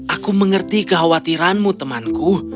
aku mengerti kekhawatiranmu temanku